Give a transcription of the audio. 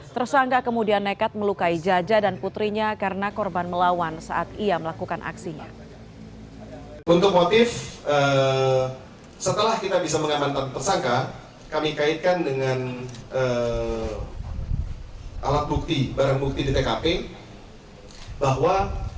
tersangka kemudian nekat melukai jaja dan putrinya karena korban melawan saat ia melakukan aksinya